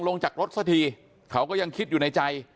ลงจากรถสักทีเขาก็ยังคิดอยู่ในใจ